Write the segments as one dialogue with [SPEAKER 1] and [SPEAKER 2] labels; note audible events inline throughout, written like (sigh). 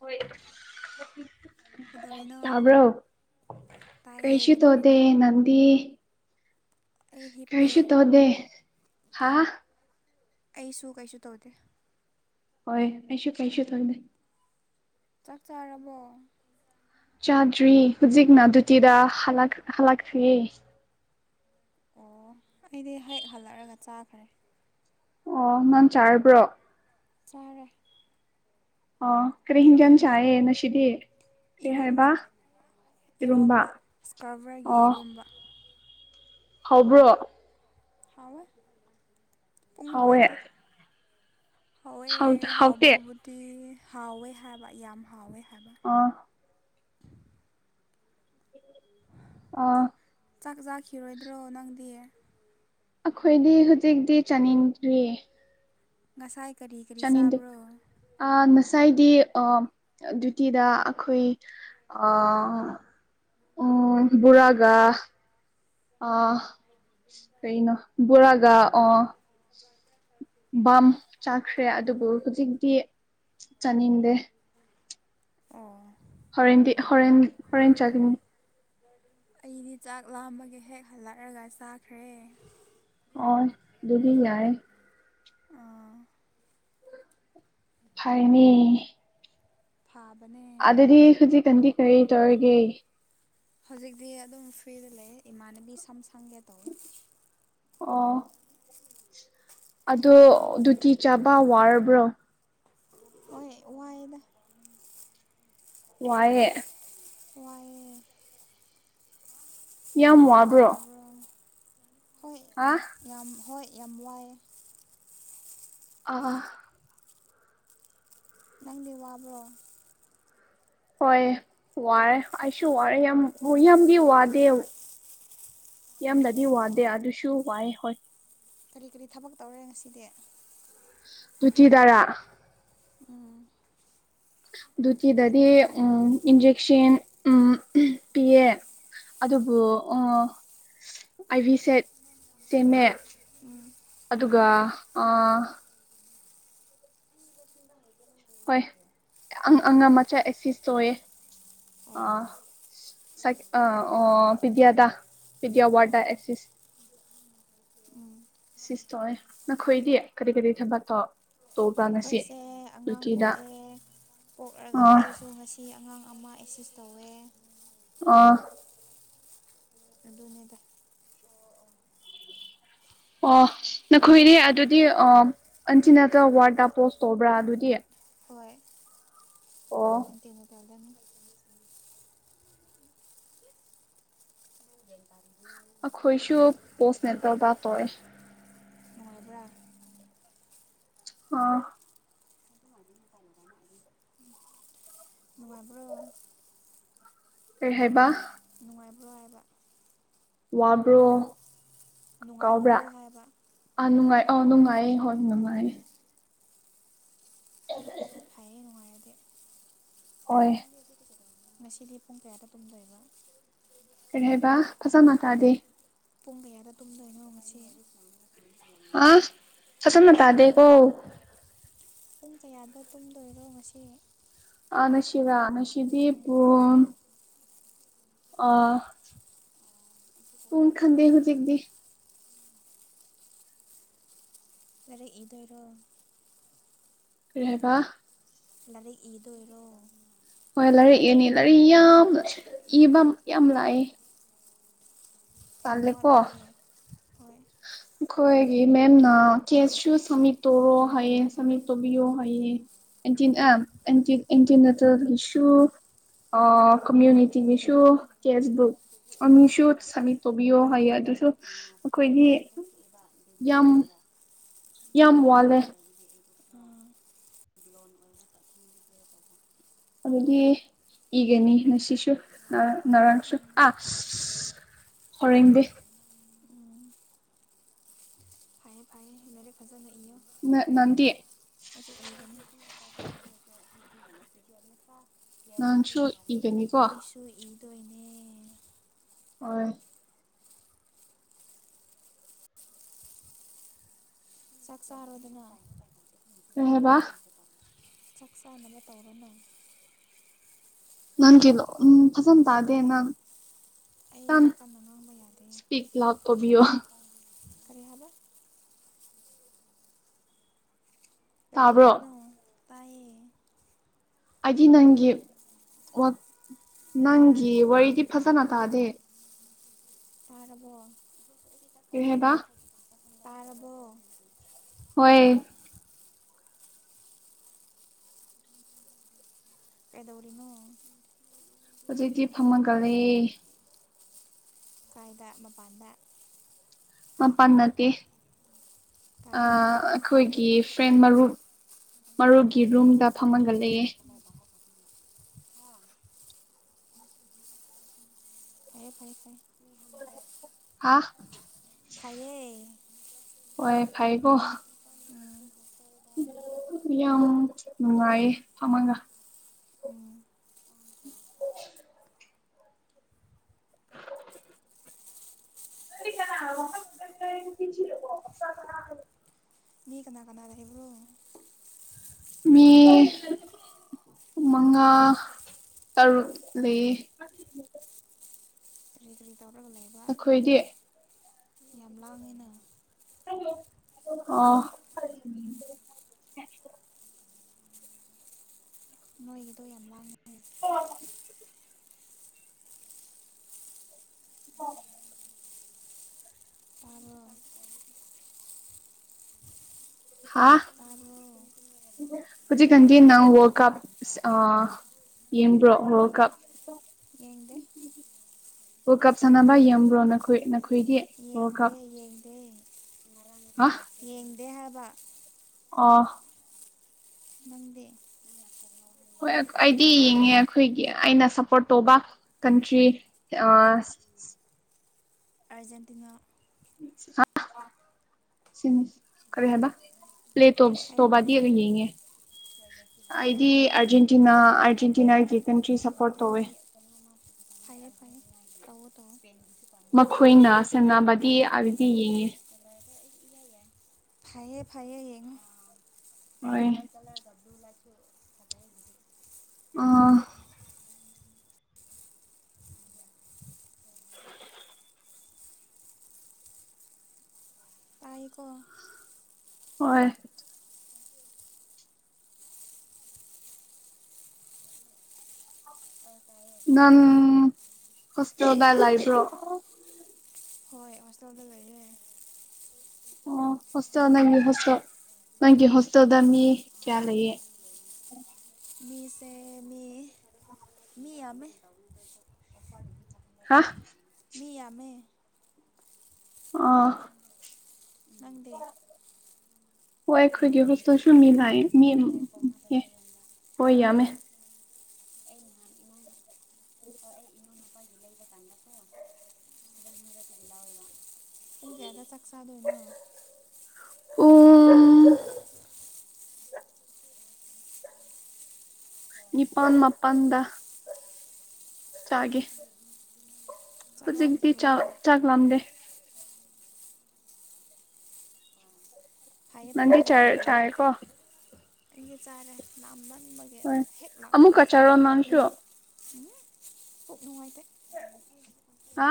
[SPEAKER 1] ꯍꯣꯏ
[SPEAKER 2] ꯀꯩꯗꯧꯔꯤꯅꯣ
[SPEAKER 1] ꯇꯕ꯭ꯔꯣ
[SPEAKER 2] ꯇꯥꯏꯌꯦ
[SPEAKER 1] ꯀꯩꯁꯤ ꯇꯣꯗꯦ
[SPEAKER 2] ꯀꯩꯗꯧꯔꯤꯅꯣ
[SPEAKER 1] ꯅꯗꯤ
[SPEAKER 2] ꯑꯩ ꯍꯤꯞꯄꯦ
[SPEAKER 1] ꯀꯩꯁꯨ ꯇꯧꯗꯦ ꯍꯥꯥ
[SPEAKER 2] ꯑꯩꯁꯨ ꯀꯩꯁꯨ ꯇꯧꯗꯦ
[SPEAKER 1] ꯍꯣꯏ ꯑꯩꯁꯨ ꯀꯔꯤꯁꯨ ꯇꯧꯗꯦ
[SPEAKER 2] ꯆꯥꯛ ꯆꯥꯔꯕꯣ
[SPEAKER 1] ꯆꯥꯗ꯭ꯔꯤ ꯍꯧꯖꯤꯛꯅ ꯑꯗꯨꯗꯨꯇꯤꯗ ꯍꯜꯂꯛꯈ꯭ꯦ
[SPEAKER 2] ꯑꯣ ꯑꯩꯗꯤ ꯍꯦꯛ ꯍꯜꯂꯛꯑꯒ ꯆꯥꯈ꯭ꯔꯦ
[SPEAKER 1] ꯑꯣ ꯅꯪ ꯆꯥꯔꯕ꯭ꯔꯣ
[SPEAKER 2] ꯆꯔ
[SPEAKER 1] ꯑ ꯀꯔꯤ ꯍꯤꯡꯖꯟ ꯆꯥꯏꯑ ꯉꯁꯤꯗꯤ ꯀꯔꯤ
[SPEAKER 2] ꯏꯔꯣꯝꯕ
[SPEAKER 1] ꯍꯥꯏꯕ ꯏꯔꯨꯝꯕ
[SPEAKER 2] ꯏꯔꯣꯝꯕ ꯏꯁꯀ꯭ꯔꯔꯕꯔꯒꯤ ꯏꯔꯣꯝꯕ
[SPEAKER 1] ꯍꯕ꯭ꯔꯣ
[SPEAKER 2] ꯍꯋꯥꯣꯏ ꯄꯨꯡ
[SPEAKER 1] ꯍꯥꯎꯋꯦ
[SPEAKER 2] ꯅꯨꯡꯉꯥꯏꯇ ꯍꯥꯎꯋꯦ
[SPEAKER 1] ꯍꯥꯎ ꯍꯥꯎꯇꯦ
[SPEAKER 2] ꯍꯥꯎꯕ꯭ꯔꯕꯨꯗꯤ ꯍꯥꯎꯋꯦ ꯍꯥꯏꯕ ꯌꯥꯝ ꯍꯥꯎꯋꯦ ꯍꯥꯏꯕ
[SPEAKER 1] ꯑꯥ ꯑꯥ
[SPEAKER 2] ꯆꯥꯛ ꯆꯥꯈꯤꯔꯣꯏꯗ꯭ꯔꯣ ꯅꯪꯗꯤ
[SPEAKER 1] ꯑꯩꯈꯣꯏꯗꯤ ꯍꯧꯖꯤꯛꯇꯤ ꯆꯥꯅꯤꯡꯗ꯭ꯔꯤꯌꯦ
[SPEAKER 2] ꯉꯁꯥꯏ ꯀꯔꯤ ꯀꯔꯤ ꯆꯥꯕ꯭ꯔꯣ
[SPEAKER 1] ꯑꯥ ꯉꯁꯥꯏꯗꯤ ꯗ꯭ꯌꯨꯇꯤꯗ ꯑꯩꯈꯣꯏ ꯎꯝ ꯔꯥꯒꯒꯥ ꯑ ꯀꯩꯅꯣ ꯕꯣꯔꯥꯒ ꯑ ꯕꯥꯝ ꯆꯥꯈ꯭ꯔꯦ ꯑꯗꯨꯕꯨ ꯍꯧꯖꯤꯛꯇꯤ ꯆꯥꯅꯤꯡꯗꯦ
[SPEAKER 2] ꯑꯣ
[SPEAKER 1] ꯍꯣꯔꯦꯟꯗꯤ ꯍꯣꯔꯦꯟ ꯍꯣꯔꯦꯟ ꯆꯥꯒꯅꯤ
[SPEAKER 2] ꯑꯩꯗꯤ ꯆꯥꯛ ꯂꯥꯝꯕꯒ ꯍꯦꯛ ꯍꯜꯂꯛꯑꯒ ꯆꯥꯈ꯭ꯔꯦ
[SPEAKER 1] ꯍ ꯗꯗꯤꯒꯤꯥꯏ
[SPEAKER 2] ꯑꯥ
[SPEAKER 1] ꯍꯥꯏꯥꯏꯅꯦ
[SPEAKER 2] ꯐꯥꯕꯅꯦ
[SPEAKER 1] ꯑꯗꯨꯗꯗꯤ ꯍꯧꯖꯤꯛꯀꯥꯟꯗꯤ ꯀꯔꯤ ꯇꯧꯔꯤꯒꯦ
[SPEAKER 2] ꯍꯧꯖꯤꯛꯇꯤ ꯑꯗꯨꯝ ꯐ꯭ꯔꯤꯗ ꯂꯩ ꯏꯃꯥꯟꯅꯕꯤ ꯁꯝ ꯁꯪꯒꯦ ꯇꯧꯋꯤ
[SPEAKER 1] ꯑꯣ ꯑꯗꯣ ꯇꯤ ꯆꯥꯕ ꯋꯥꯔꯕ꯭ꯔꯣ
[SPEAKER 2] ꯑꯣꯍꯥꯏꯗ
[SPEAKER 1] ꯋꯥꯌꯦꯦ
[SPEAKER 2] ꯋꯥꯥꯏ
[SPEAKER 1] ꯌꯥꯝ
[SPEAKER 2] ꯅꯪꯗꯤ
[SPEAKER 1] ꯋꯥꯕ꯭ꯔꯣ
[SPEAKER 2] ꯋꯥꯗꯕ꯭ꯔꯣ ꯍꯣꯏ
[SPEAKER 1] ꯍꯥ
[SPEAKER 2] ꯌꯥꯝ ꯍꯣꯏ ꯌꯥꯝ ꯋꯥꯏꯑꯦ
[SPEAKER 1] ꯑ
[SPEAKER 2] ꯅꯪ ꯗꯤ ꯋꯥꯔꯕꯣ
[SPEAKER 1] ꯍꯣꯏ ꯋꯥꯔꯦ ꯑꯩꯁꯨ ꯋꯥꯔꯦ ꯌꯥꯝ ꯌꯥꯝꯗꯤ ꯋꯥꯗꯦ ꯌꯥꯝꯅꯗꯤ ꯋꯥꯗꯦ ꯑꯗꯨꯁꯨ ꯋꯥꯏ ꯍꯣꯏ
[SPEAKER 2] ꯀꯔꯤ ꯀꯔꯤ ꯊꯕꯛ ꯇꯧꯔꯦ ꯉꯁꯤꯗꯤ
[SPEAKER 1] ꯂꯆꯤ ꯇꯔꯥ
[SPEAKER 2] ꯎꯝ ꯎꯝ
[SPEAKER 1] ꯑꯗꯨꯇꯤꯗꯗꯤ ꯎꯝ ꯏꯟꯖꯦꯛꯁꯟ ꯎꯝ ꯄꯤꯌꯦ ꯑꯗꯨꯕꯨ ꯑꯥꯏꯕꯤ ꯁꯦꯠ
[SPEAKER 2] ꯎꯝ
[SPEAKER 1] ꯁꯦꯝꯃꯦ
[SPEAKER 2] ꯎꯝ
[SPEAKER 1] ꯑꯗꯨꯒ ꯑ
[SPEAKER 2] ꯀꯅ ꯍꯥꯏꯒꯦꯅ
[SPEAKER 1] ꯍꯣꯏ ꯑꯉ ꯃꯆꯥ ꯑꯦ ꯁꯤꯁꯇꯌꯦꯦ
[SPEAKER 2] ꯑꯣ
[SPEAKER 1] ꯑꯥ ꯑ ꯄꯤꯗꯤꯌꯥꯗꯥ ꯄꯤꯗꯤꯌꯥ ꯋꯥꯔꯗꯥ
[SPEAKER 2] ꯑꯣ
[SPEAKER 1] ꯑꯦꯛꯁꯤꯁ
[SPEAKER 2] ꯎꯝ
[SPEAKER 1] ꯁꯤꯁꯇꯣꯦ ꯅꯈꯣꯏꯗꯤ ꯀꯔꯤ ꯀꯔꯤ ꯊꯕ ꯇꯣ
[SPEAKER 2] ꯑꯩꯈꯣꯏꯁꯦ ꯑꯉꯥꯡ ꯄꯣꯛꯑꯦ ꯄꯣꯛꯂꯒ
[SPEAKER 1] ꯑꯥ
[SPEAKER 2] ꯑꯩꯁꯨ ꯉꯁꯤ ꯑꯉꯥꯡ ꯑꯃ ꯑꯦꯁꯤꯁ ꯇꯧꯋꯦ
[SPEAKER 1] ꯑ
[SPEAKER 2] ꯑꯗꯨꯅꯗꯥ
[SPEAKER 1] ꯑꯣ
[SPEAKER 2] ꯂꯥꯏꯔꯤꯛ
[SPEAKER 1] ꯅꯈꯣꯏꯅꯦ ꯑꯗꯨꯗꯤ ꯑꯟꯇꯤꯅꯠꯇ ꯋꯥꯔꯗꯠꯇ ꯄꯣꯁ ꯇꯧꯕ꯭ꯔꯥ ꯑꯗꯨꯗꯤ ꯑꯣ
[SPEAKER 2] ꯍꯣꯏꯇꯩꯅꯣ ꯇꯗ
[SPEAKER 1] ꯑꯈꯣꯏꯁꯨ ꯄꯣꯁ ꯅꯠꯇꯕꯥ ꯀꯣꯏ
[SPEAKER 2] ꯅꯨꯡꯉꯥꯏꯕ꯭ꯔꯥ
[SPEAKER 1] ꯑꯥ
[SPEAKER 2] ꯃꯕꯨ꯭ꯔꯣ
[SPEAKER 1] ꯑꯦꯔꯤꯍ ꯍꯥꯏꯕ
[SPEAKER 2] ꯅꯨꯡꯉꯥꯏꯕ꯭ꯔꯥ ꯍꯥꯏꯕ
[SPEAKER 1] ꯋꯥꯕ꯭ꯔꯣ ꯀꯥꯎꯕ꯭ꯔꯥ
[SPEAKER 2] ꯅꯨꯡꯉꯥꯏꯕ꯭ꯔꯣ ꯍꯥꯏꯕ
[SPEAKER 1] ꯑꯥ ꯅꯨꯡꯉꯥꯏ ꯑ ꯅꯨꯡꯉꯥꯏꯌꯦ ꯍꯣꯏ ꯅꯨꯡꯉꯥꯏꯌꯦ
[SPEAKER 2] ꯍꯥꯏꯌꯦ ꯅꯨꯡꯉꯥꯏ ꯑꯗꯨꯣ
[SPEAKER 1] ꯍꯣꯏ
[SPEAKER 2] ꯉꯁꯤꯗꯤ ꯄꯨꯡ ꯀꯌꯥꯗ ꯇꯨꯝꯗꯣꯏꯕ
[SPEAKER 1] ꯀꯔꯤ ꯍꯥꯏꯕ ꯐꯖꯅ ꯇꯥꯗꯦ
[SPEAKER 2] ꯄꯨꯡ ꯀꯌꯥꯗ ꯇꯨꯝꯗꯣꯏꯅꯣ ꯉꯁꯤ
[SPEAKER 1] ꯑ ꯐꯁꯟꯅ
[SPEAKER 2] ꯄꯨꯡ
[SPEAKER 1] ꯇꯗꯦꯀꯣ
[SPEAKER 2] ꯄꯨꯡ ꯀꯌꯥꯗꯣ ꯄꯨꯝꯗꯣꯏꯔꯣ ꯉꯁꯤ
[SPEAKER 1] ꯑ ꯅꯁꯤꯗꯥ ꯅꯁꯤꯗꯤ ꯄ
[SPEAKER 2] ꯎꯝ
[SPEAKER 1] ꯑ ꯎ ꯈꯟꯗꯦ ꯍꯧꯖꯤꯛꯇꯗꯤ
[SPEAKER 2] ꯔꯦ ꯏꯗꯣꯏꯔꯣ
[SPEAKER 1] ꯔꯦꯕ
[SPEAKER 2] ꯑꯗꯦ ꯏꯗ ꯑꯣꯏꯂꯣ
[SPEAKER 1] ꯍꯣꯏ ꯂꯥꯏꯔꯤꯛ ꯏꯅꯤ ꯂꯥꯏꯔꯤꯛ ꯌꯥꯝ ꯏꯕ ꯌꯥꯝ ꯂꯥꯛꯏꯦ
[SPEAKER 2] ꯌꯥꯝꯋꯥꯠꯂꯤꯒꯦ ꯍꯣꯏ
[SPEAKER 1] ꯑꯩꯈꯣꯏꯒꯤ ꯃꯦꯝꯅ ꯀꯦꯁꯁꯨ ꯁꯝꯃꯤꯠ ꯇꯧꯔꯣ ꯍꯥꯏꯌꯦ ꯁꯝꯃꯤꯠ ꯇꯧꯕꯤꯌꯣ ꯍꯥꯏꯌꯦ
[SPEAKER 2] ꯎꯝ
[SPEAKER 1] ꯑꯦꯟꯇ ꯑꯦꯟꯇꯤꯅꯠꯇꯒꯤꯁꯨ ꯑ ꯀꯃ꯭ꯨꯅꯤꯇꯤ ꯁꯨꯨ ꯐꯦꯁꯕꯨꯛ ꯑꯃꯁꯨ ꯁ ꯇꯕꯤꯌ ꯍꯥꯏ ꯑꯗꯨꯁꯨ ꯗꯤ ꯌꯥꯝ ꯌꯥꯝ ꯋꯥꯜꯂꯦ
[SPEAKER 2] ꯑꯥ
[SPEAKER 1] ꯑꯗꯨꯗꯤ ꯍꯒꯅꯤꯅꯁꯤꯁꯨꯨ ꯅꯔ ꯅꯔꯥꯡꯁꯨꯨ ꯑ ꯍꯣꯔꯦꯡꯕꯤꯦ
[SPEAKER 2] ꯍꯥꯏ ꯐꯑ ꯃꯦ ꯐꯖꯅ
[SPEAKER 1] ꯅꯪꯗꯤ ꯅꯍꯥꯟꯁꯨ
[SPEAKER 2] (unintelligible)
[SPEAKER 1] ꯏꯒꯅꯤꯀꯣ
[SPEAKER 2] ꯑꯩꯁꯨ ꯗꯣꯏꯅꯦ
[SPEAKER 1] ꯑ
[SPEAKER 2] ꯆꯥꯛꯁꯥ ꯑꯔꯗꯅ
[SPEAKER 1] ꯑꯦꯕ
[SPEAKER 2] ꯆꯥꯛ ꯆꯥꯅꯕ ꯇꯧꯔꯅ
[SPEAKER 1] ꯅꯪ ꯀꯤꯂꯣ ꯎꯝ ꯐꯁ ꯇꯗꯦ ꯅ
[SPEAKER 2] ꯑꯩ
[SPEAKER 1] ꯇ
[SPEAKER 2] ꯋꯥ ꯀꯟꯅ ꯉꯥꯡꯕ ꯌꯥꯗꯦ
[SPEAKER 1] ꯁꯄꯤꯛ ꯂꯥꯛ ꯀꯣꯕꯤꯌꯣ
[SPEAKER 2] ꯀꯔꯤ ꯍꯥꯏꯕ
[SPEAKER 1] ꯇꯥꯕ꯭ꯔꯣ
[SPEAKER 2] ꯀꯔꯤꯚꯥꯕꯅ ꯇꯥꯏꯌꯦ
[SPEAKER 1] ꯑꯩꯗꯤ ꯅꯪꯒꯤ ꯋꯥ ꯅꯪꯒꯤ ꯋꯥꯔꯤꯗꯤ ꯐꯖꯅ ꯇꯥꯗꯦ
[SPEAKER 2] ꯇꯔꯕꯔꯕꯣ
[SPEAKER 1] ꯀꯍꯦꯕ
[SPEAKER 2] ꯇꯥꯔꯕ
[SPEAKER 1] ꯑꯣꯏ
[SPEAKER 2] ꯀꯗꯧꯔꯤꯅꯣ
[SPEAKER 1] ꯍꯧꯖꯤꯛꯇꯤ ꯐꯝꯃꯒꯂꯌꯦ
[SPEAKER 2] ꯀꯥꯏꯗ ꯃꯄꯥꯟꯗ
[SPEAKER 1] ꯃꯄꯥꯟ ꯅꯠꯇꯦ
[SPEAKER 2] ꯀꯥꯏꯗ
[SPEAKER 1] ꯑꯩꯈꯣꯏꯒꯤ ꯐ꯭ꯔꯦꯟ ꯃꯔꯨꯞ ꯃꯔꯣꯏꯒꯤ ꯔꯨꯝꯗ ꯐꯝꯃꯟꯒꯂꯛꯑꯦ
[SPEAKER 2] ꯐꯔꯌꯦꯦ ꯐꯔꯌꯦ ꯐꯔ ꯎ
[SPEAKER 1] ꯑ ꯍꯣꯏ ꯐꯥꯏꯕꯣ
[SPEAKER 2] ꯎꯝ
[SPEAKER 1] ꯌꯥꯝ ꯅꯨꯡꯉꯥꯏꯌꯦ ꯐꯝꯃꯒ
[SPEAKER 2] ꯎꯝ
[SPEAKER 1] ꯑꯣ (inaudible) (unintelligible)
[SPEAKER 2] ꯃꯤ ꯀꯅꯥ ꯀꯅꯥ ꯂꯩꯕ꯭ꯔꯣ
[SPEAKER 1] ꯃꯤ ꯃꯉꯥ ꯇꯔꯨꯛ ꯂꯩ
[SPEAKER 2] ꯀꯔꯤ ꯀꯔꯤ ꯇꯧꯔꯒ ꯂꯩꯕ
[SPEAKER 1] ꯑꯩꯈꯣꯏꯗꯤ
[SPEAKER 2] ꯌꯥꯝ ꯂꯥꯎꯉꯤꯅ
[SPEAKER 1] ꯑ
[SPEAKER 2] ꯅꯣꯏꯒꯤꯗꯣ ꯌꯥꯝ ꯂꯥꯡꯉ
[SPEAKER 1] ꯑꯣ
[SPEAKER 2] ꯇꯥꯕ꯭ꯔꯣ ꯑ
[SPEAKER 1] ꯍꯧꯖꯤ ꯀ ꯋꯥꯔ ꯀꯞ ꯑ ꯌꯦꯡꯕ꯭ꯔꯣ ꯍ ꯀꯞ
[SPEAKER 2] ꯌꯦꯡꯗꯦ
[SPEAKER 1] ꯋꯥꯔ ꯀꯞ ꯁꯥꯟꯅꯕ
[SPEAKER 2] ꯅꯪꯗꯤ
[SPEAKER 1] ꯌꯦꯕ꯭ꯔꯣ ꯅꯈꯣꯏ ꯅꯈꯣꯏꯒꯤ ꯋꯥꯔ
[SPEAKER 2] ꯌꯦꯡꯗꯦ
[SPEAKER 1] ꯀꯞ
[SPEAKER 2] ꯌꯦꯡꯗꯦ
[SPEAKER 1] ꯑ (inaudible)
[SPEAKER 2] ꯍꯕ (inaudible)
[SPEAKER 1] ꯑ (inaudible)
[SPEAKER 2] ꯃꯪꯗꯤ (inaudible)
[SPEAKER 1] ꯍꯣꯏ ꯑꯩꯗꯤ ꯌꯦꯡꯉꯦ ꯑꯩꯈꯣꯏꯒꯤ ꯑꯩꯅ ꯁꯞꯄꯣꯔꯠ ꯇꯧꯕ ꯀꯟꯇ꯭ꯔꯤ
[SPEAKER 2] ꯎꯝ ꯑꯔꯖꯦꯟꯇꯤꯅꯥ
[SPEAKER 1] ꯁꯤ ꯈ ꯍꯦꯕ ꯄ꯭ꯂꯦ
[SPEAKER 2] ꯐꯩꯌꯦ
[SPEAKER 1] ꯇꯣꯞꯇꯣꯕꯥꯗꯤ
[SPEAKER 2] ꯐꯩꯌꯦ
[SPEAKER 1] ꯌꯦꯡꯉꯦ
[SPEAKER 2] ꯐꯩꯌꯦ
[SPEAKER 1] ꯑꯩꯗꯤ
[SPEAKER 2] ꯐꯩꯌꯦ
[SPEAKER 1] ꯑꯔꯖꯦꯟꯇꯤꯅꯥ ꯑꯔꯖꯦꯟꯇꯤꯅꯥꯒꯤ ꯀꯟꯇ꯭ꯔꯤ ꯁꯄꯣꯔꯠ ꯇꯧꯋꯦ
[SPEAKER 2] ꯐꯌꯦ ꯐꯌꯦ ꯇ ꯇꯣ
[SPEAKER 1] ꯃꯈꯣꯏꯅ ꯁꯥꯟꯅꯕꯗꯤ ꯑꯩꯗꯤ ꯌꯦꯡꯉꯦ
[SPEAKER 2] ꯐꯩꯌꯦ ꯐꯩꯌꯦ ꯌꯦꯡꯉꯣ
[SPEAKER 1] ꯍꯣꯏ
[SPEAKER 2] ꯋꯥꯋꯥꯏꯠ ꯀꯂꯔꯗ ꯭ꯂꯨ ꯂꯥꯛꯆꯁꯨ ꯊꯗ
[SPEAKER 1] ꯑꯥ
[SPEAKER 2] ꯇꯥꯏꯀꯣ
[SPEAKER 1] ꯍꯣꯏ
[SPEAKER 2] ꯑꯣ ꯀ
[SPEAKER 1] ꯅꯥꯟ ꯍꯣꯁꯇꯦꯜꯗꯂ ꯏꯕ꯭ꯔꯣ
[SPEAKER 2] ꯍꯣꯏ ꯍꯣꯁꯇꯦꯜꯗ ꯂꯩ
[SPEAKER 1] ꯑꯣ ꯍꯣꯁꯇꯦꯜ ꯅꯪꯒꯤ ꯍꯣꯁꯇꯦꯜ ꯅꯪꯒꯤ ꯍꯣꯁꯇꯦꯜꯗ ꯃꯤ ꯀꯌꯥ ꯂꯩꯌꯦ
[SPEAKER 2] ꯎꯝ ꯃꯤꯁꯦ ꯃꯤ ꯃꯤ ꯌꯥꯝꯃꯦ
[SPEAKER 1] ꯍꯥ
[SPEAKER 2] ꯃꯤꯌꯥꯝꯃꯦ
[SPEAKER 1] ꯑꯥ
[SPEAKER 2] ꯅꯪꯗꯦ
[SPEAKER 1] ꯍꯣꯏ ꯑꯩꯈꯣꯏꯒꯤ ꯍꯣꯁꯇꯁꯨ ꯃꯤ ꯂꯥꯛ ꯃꯤ ꯍꯣꯏ ꯌꯥꯝꯃꯦ
[SPEAKER 2] ꯑꯟꯏꯟꯇꯦꯜꯂꯤꯖꯦꯕꯜ ꯄꯨꯡ ꯀ꯭ꯌꯥꯗ ꯆꯥꯛ ꯆꯥꯗꯣꯏꯅꯣ
[SPEAKER 1] ꯑꯣ ꯅꯤꯄꯥꯟ ꯃꯄꯥꯟꯗ ꯆꯥꯒꯦ
[SPEAKER 2] ꯆꯥꯛ
[SPEAKER 1] ꯍꯧꯖꯤꯛꯗꯤ
[SPEAKER 2] ꯂꯥꯝꯗ꯭ꯔꯤꯕ꯭ꯔꯣ
[SPEAKER 1] ꯆꯥꯛ ꯆꯥꯛꯂꯥꯝꯗꯦ
[SPEAKER 2] ꯐꯩꯌꯦ
[SPEAKER 1] ꯅꯪꯗꯤ
[SPEAKER 2] ꯐꯩꯌꯦ
[SPEAKER 1] ꯆꯥꯔꯦ
[SPEAKER 2] ꯂꯥꯝꯗ꯭ꯔꯗꯤ
[SPEAKER 1] ꯆꯥꯔꯦꯀꯣ
[SPEAKER 2] ꯑꯩꯗꯤ ꯆꯥꯔꯦ ꯂꯥꯝꯃꯟ
[SPEAKER 1] ꯍꯣꯏ ꯑꯃꯨꯛꯀ ꯆꯥꯔꯣ ꯅꯥꯡꯁꯨ
[SPEAKER 2] ꯎꯝꯍꯝ ꯄꯨꯛ ꯅꯨꯡꯉꯥꯏꯇꯦ
[SPEAKER 1] ꯍꯥ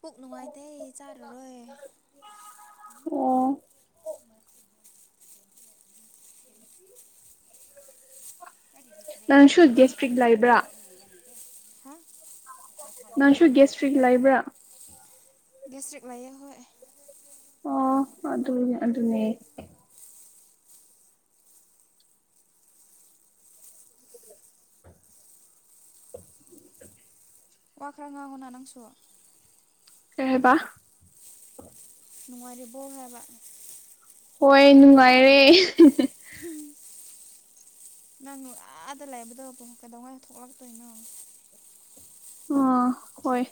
[SPEAKER 2] ꯄꯨꯛ ꯅꯨꯡꯉꯥꯏꯇꯦ ꯆꯥꯔꯔꯣꯏ
[SPEAKER 1] ꯑꯣ ꯅꯪꯁꯨ ꯗꯤꯁꯇ꯭ꯔꯤꯛ ꯂꯩꯕ꯭ꯔꯥ
[SPEAKER 2] ꯍꯥ
[SPEAKER 1] ꯅꯪꯁꯨ ꯒꯦꯁꯇ꯭ꯔꯤꯛ ꯂꯩꯕ꯭ꯔꯥ
[SPEAKER 2] ꯒꯦꯁꯇ꯭ꯔꯤꯛ ꯂꯩꯌꯦ ꯍꯣꯏ
[SPEAKER 1] ꯑꯣ ꯑꯗꯨꯅꯦ ꯑꯗꯨꯅꯦ ꯑꯟꯑꯣꯗꯤꯕꯜ
[SPEAKER 2] ꯋꯥ ꯈꯔ ꯉꯥꯡꯉꯣꯅꯥ ꯅꯪꯁꯨ
[SPEAKER 1] ꯀꯩ ꯍꯥꯏꯕ
[SPEAKER 2] ꯅꯨꯡꯉꯥꯏꯔꯤꯕꯣ ꯍꯥꯏꯕ
[SPEAKER 1] ꯍꯣꯏ ꯅꯨꯡꯉꯥꯏꯔꯦ
[SPEAKER 2] ꯅꯪꯅ ꯑꯥꯗ ꯂꯥꯏꯕꯗꯣ ꯀꯩꯗꯧꯉꯩ ꯊꯣꯛꯂꯛꯇꯣꯏꯅꯣ
[SPEAKER 1] ꯑ ꯍꯣꯏ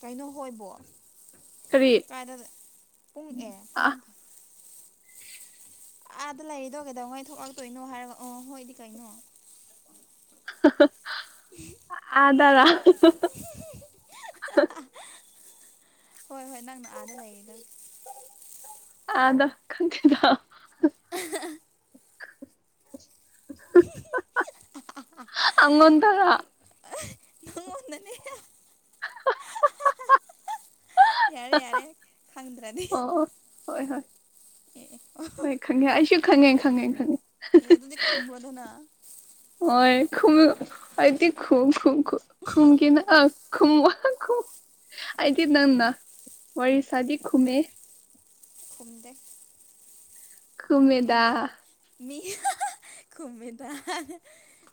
[SPEAKER 2] ꯀꯩꯅꯣ ꯍꯣꯏꯕꯣ
[SPEAKER 1] ꯀꯔꯤ
[SPEAKER 2] ꯀꯥꯏꯗ ꯄꯨꯡ ꯑꯦ ꯄꯨꯡ ꯑꯥꯗ ꯂꯩꯔꯤꯗꯣ ꯀꯩꯗꯧꯉꯩ ꯊꯣꯛꯂꯛꯇꯣꯏꯅꯣ ꯍꯥꯏꯔꯒ ꯑ ꯍꯣꯏ ꯑꯗꯤ ꯀꯩꯅꯣ
[SPEAKER 1] ꯍꯍꯍ
[SPEAKER 2] ꯎꯝꯍꯝ
[SPEAKER 1] ꯑꯗꯔꯣ
[SPEAKER 2] ꯑꯝꯍꯝꯍꯝꯍꯍ ꯍꯣꯏ ꯍꯣꯏ ꯅꯪꯅ ꯑꯥꯗ ꯂꯩꯔꯤꯗꯣ
[SPEAKER 1] ꯑꯥꯗ ꯈꯪꯗꯦꯗ
[SPEAKER 2] ꯑꯍꯍ
[SPEAKER 1] ꯑꯍꯍꯍ ꯑꯉꯣꯟ ꯗꯔꯣ
[SPEAKER 2] ꯅꯉꯣꯟꯗꯅꯦ ꯌꯥꯔꯦ ꯌꯥꯔꯦ ꯈꯪꯗ꯭ꯔꯗꯤ
[SPEAKER 1] ꯑꯣ ꯍꯣꯏ ꯍꯣꯏ
[SPEAKER 2] ꯑꯦ ꯑꯦ
[SPEAKER 1] ꯍꯣꯏ ꯈꯪꯉꯦ ꯑꯩꯁꯨ ꯈꯪꯉꯦ ꯈꯪꯉꯦ ꯈꯪꯉꯦ
[SPEAKER 2] ꯑꯦ ꯑꯗꯨꯗꯤ ꯈꯨꯝꯃꯣꯗꯅ
[SPEAKER 1] ꯈꯨꯝꯃꯨ ꯑꯩꯗꯤ ꯈꯨꯝ ꯈꯨꯝ ꯈꯨꯝ ꯈꯨꯝꯒꯦꯅ ꯑ ꯈꯨꯝꯕ ꯑꯩꯗꯤ ꯅꯪꯅ ꯋꯥꯔꯤ ꯁꯥꯗꯤ ꯈꯨꯝꯃꯦ
[SPEAKER 2] ꯈꯨꯝꯗꯦ
[SPEAKER 1] ꯈꯨꯝꯃꯦꯗꯥ
[SPEAKER 2] ꯃꯤꯅ ꯃꯤ ꯍꯍꯍ ꯈꯨꯝꯃꯦꯗ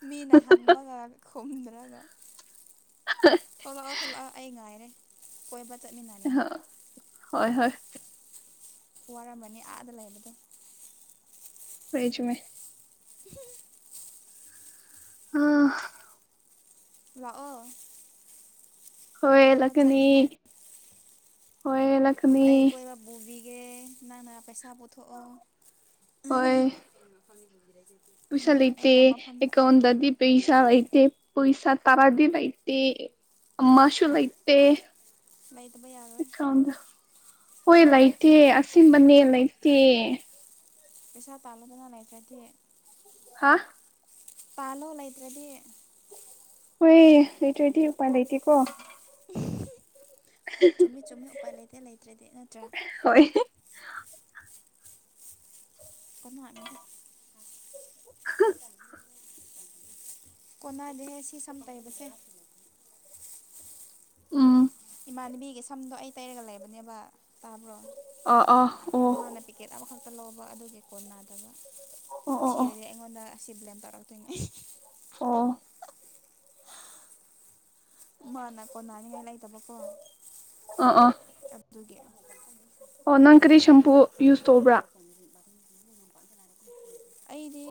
[SPEAKER 2] ꯃꯤꯅ ꯍꯪꯕꯒ ꯈꯨꯝꯗ꯭ꯔꯒ ꯊꯣꯛꯂꯛꯑꯣ ꯊꯣꯛꯂꯛꯑꯣ ꯑꯩ ꯉꯥꯏꯔꯦ ꯀꯣꯏꯕ ꯆꯠ
[SPEAKER 1] ꯑ ꯍ ꯍꯣꯏ ꯍꯣꯏ
[SPEAKER 2] ꯋꯥꯔꯝꯃꯅꯤ ꯑꯥꯗ ꯂꯩꯕꯗꯣ
[SPEAKER 1] ꯍꯣꯌꯦ ꯆꯨꯝꯃꯦ
[SPEAKER 2] ꯑꯍꯝꯍꯝ
[SPEAKER 1] ꯑ
[SPEAKER 2] ꯂꯥꯛꯑꯣ
[SPEAKER 1] ꯍꯣꯏ
[SPEAKER 2] ꯀꯣꯏꯕ ꯆꯠꯅꯤꯡꯉꯥꯏ
[SPEAKER 1] ꯂꯀꯅꯤ ꯍꯣꯏ ꯂꯥꯛꯀꯅꯤ
[SPEAKER 2] ꯑꯩ ꯀꯣꯏꯕ ꯕꯣꯕꯤꯒꯦ ꯅꯪꯅꯅꯥ ꯄꯩꯁꯥ ꯄꯨꯊꯣꯛꯑꯣ
[SPEAKER 1] ꯍꯣꯏ ꯄꯩꯁꯥ
[SPEAKER 2] ꯎꯝ
[SPEAKER 1] ꯂꯩꯇꯦ
[SPEAKER 2] ꯑꯩꯅ ꯃꯐꯝꯗ
[SPEAKER 1] ꯑꯦꯀꯥꯎꯟꯗꯗꯤ ꯄꯩꯁꯥ ꯂꯩꯦ ꯄꯩꯁꯥ ꯇꯔꯥꯗꯤ ꯂ ꯂꯩꯇ ꯑꯃꯁꯨꯨ ꯂꯩ ꯂꯩꯇ
[SPEAKER 2] ꯂꯩꯇꯕꯩ ꯌꯥꯔꯣꯏ
[SPEAKER 1] ꯍꯣꯏ ꯂꯩꯇꯦ ꯑꯁꯤꯕꯅꯦ ꯂꯩꯇꯦ
[SPEAKER 2] ꯄꯩꯁꯥ ꯇꯥꯜꯂꯗꯅ ꯂꯩꯐꯗꯤꯦ
[SPEAKER 1] ꯍꯥ
[SPEAKER 2] ꯄꯥꯂꯣ ꯂꯩꯇ꯭ꯔꯗꯤ
[SPEAKER 1] ꯍꯣꯏ ꯂꯩꯇ꯭ꯔꯣꯏꯗꯤꯄꯥꯥꯏ ꯂꯩ ꯂꯩꯇꯦꯀꯣ
[SPEAKER 2] ꯆꯨꯝꯃꯤ ꯆꯨꯝꯃꯤ ꯎꯄꯥꯏ ꯂꯩꯇꯦ ꯂꯩꯇ꯭ꯔꯗꯤ ꯅꯠꯇ꯭ꯔꯥ
[SPEAKER 1] ꯍꯣꯏ
[SPEAKER 2] ꯀꯃꯥꯅꯤꯗ
[SPEAKER 1] (unintelligible)
[SPEAKER 2] ꯀꯣꯟꯅꯗꯦꯍꯦ ꯁꯤ ꯁꯝ ꯀꯩꯕꯁꯦ
[SPEAKER 1] ꯑ
[SPEAKER 2] ꯏꯃꯅꯕꯤꯒꯤ ꯁꯝꯗꯣ ꯑꯩ ꯇꯩꯔꯒ ꯂꯩꯕꯅꯦꯕ ꯇꯥꯕ꯭ꯔꯣ
[SPEAKER 1] ꯑ ꯑꯥ ꯑꯣ
[SPEAKER 2] ꯃꯥꯅ ꯄꯤꯀꯦꯠ ꯑꯃꯈꯛ ꯇ ꯂꯧꯕ ꯑꯗꯨꯒꯤ ꯀꯣꯟ ꯅꯥꯗꯕ
[SPEAKER 1] ꯑꯣ ꯑꯣ ꯑꯣ
[SPEAKER 2] ꯊꯤꯔꯗꯤ ꯑꯩꯉꯣꯟꯗ ꯑꯁꯤ ꯕ꯭ꯂꯦꯝ ꯇꯧꯔꯛꯇꯣꯏꯅꯦ
[SPEAKER 1] ꯑꯣ
[SPEAKER 2] ꯃꯥꯅ ꯀꯣꯟꯅꯔꯤꯉꯥꯏ ꯂꯩꯇꯕꯀꯣ
[SPEAKER 1] ꯑ ꯑ
[SPEAKER 2] ꯑꯗꯨꯒꯤ
[SPEAKER 1] ꯑꯣ ꯅꯪ ꯀꯔꯤ ꯁꯦꯝꯄꯨ ꯌꯨꯁ ꯇꯧꯕ꯭ꯔꯥ
[SPEAKER 2] ꯑꯩꯗꯤ